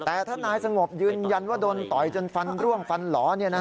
แต่ถ้านายสงบยืนยันว่าโดนต่อยจนฟันร่วงฟันหล่อ